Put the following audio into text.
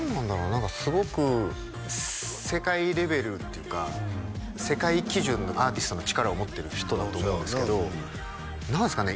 何かすごく世界レベルっていうか世界基準のアーティストの力を持ってる人だと思うんですけど何ですかね